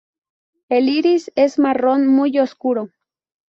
El iris es marrón muy oscuro.